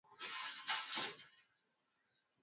Na kwa hakika hili ni jibu kwa dua zetu